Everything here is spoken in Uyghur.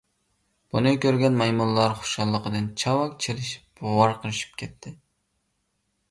بۇنى كۆرگەن مايمۇنلار خۇشاللىقىدىن چاۋاك چېلىشىپ ۋارقىرىشىپ كەتتى.